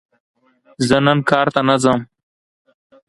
زه نن کار ته نه ځم!